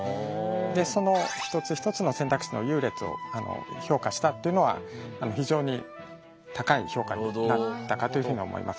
でその１つ１つの選択肢の優劣を評価したっていうのは非常に高い評価になったかというふうに思います。